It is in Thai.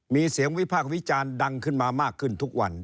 มีเสียงวิพากษ์วิจารณ์ดังขึ้นมามากขึ้นทุกวัน